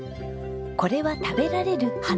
これは食べられる花。